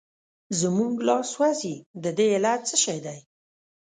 زموږ لاس سوځي د دې علت څه شی دی؟